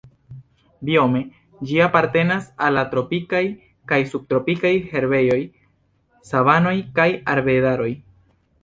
Biome ĝi apartenas al la tropikaj kaj subtropikaj herbejoj, savanoj kaj arbedaroj.